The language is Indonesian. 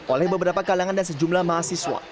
oleh beberapa kalangan dan sejumlah mahasiswa